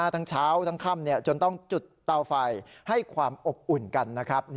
ทั้งเช้าทั้งค่ำจนต้องจุดเตาไฟให้ความอบอุ่นกันนะครับ